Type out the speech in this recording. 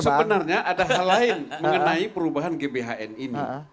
sebenarnya ada hal lain mengenai perubahan gbhn ini